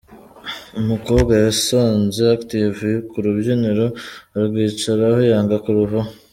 Umukobwa yasanze active k'urubyiniro arwicaraho yanga kuruvaho.